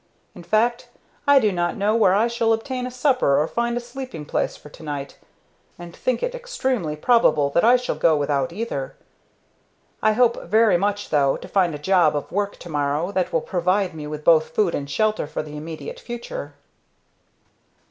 In fact, I do not know where I shall obtain a supper or find a sleeping place for to night, and think it extremely probable that I shall go without either. I hope very much, though, to find a job of work to morrow that will provide me with both food and shelter for the immediate future."